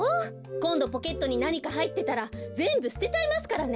こんどポケットになにかはいってたらぜんぶすてちゃいますからね！